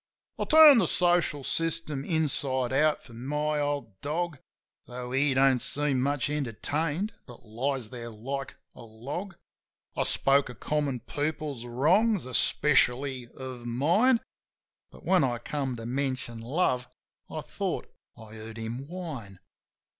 I turned the social system inside out for my old dog, Tho' he don't seem much entertained, but lies there like a log. I spoke of common people's wrongs — especially of mine; But when I came to mention love I thought I heard him whine.